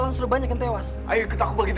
dari mana kamu mendapatkan ini